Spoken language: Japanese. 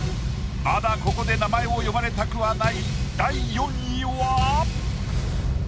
まだここで名前を呼ばれたくはない。